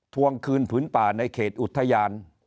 ทวงคืนผืนป่าในเขตอุทยาน